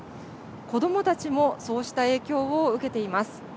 子どもたちもそうした影響を受けています。